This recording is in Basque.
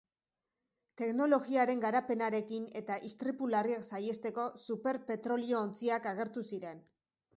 Teknologiaren garapenarekin eta istripu larriak saihesteko, super petrolio-ontziak agertu ziren.